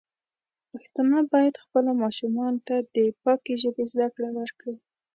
پښتانه بايد خپلو ماشومانو ته د پاکې ژبې زده کړه ورکړي.